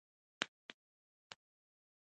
د ژاولې ژوول د دماغي تمرکز لپاره ښه وي.